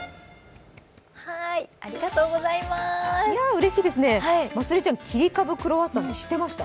うれしいですね、切り株クロワッサン知ってました？